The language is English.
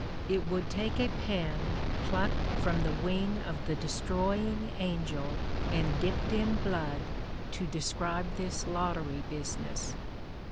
It would take a pen plucked from the wing of the destroying angel and dipped in blood to describe this lottery business.